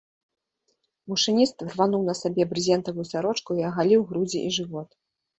Машыніст рвануў на сабе брызентавую сарочку і агаліў грудзі і жывот.